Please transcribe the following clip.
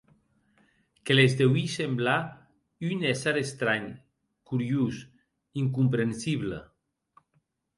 Que les deuí semblar un èsser estranh, curiós, incomprensible.